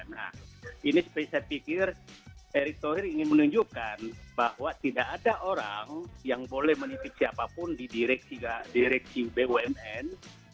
nah ini seperti saya pikir erick thohir ingin menunjukkan bahwa tidak ada orang yang boleh menitip siapapun di direksi bumn